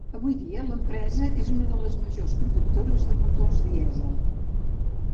Avui en dia, l'empresa és una de les majors productores de motors dièsel.